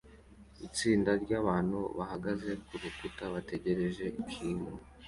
Itsinda ryabantu bahagaze kurukuta bategereje ikintu